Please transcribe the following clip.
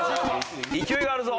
勢いがあるぞ。